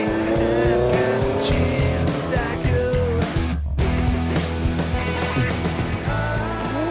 kok dia cepet banget sih